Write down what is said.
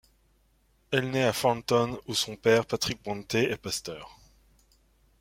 Elle naît à Thornton où son père, Patrick Brontë, est pasteur.